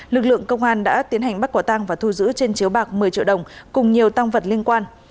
lực lượng công an đã tiến hành bắt quả tang và thu giữ trên chiếu bạc một mươi triệu đồng cùng nhiều tăng vật liên quan